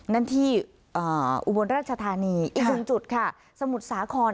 นั่นที่อุบลราชธานีอีกหนึ่งจุดค่ะสมุทรสาคร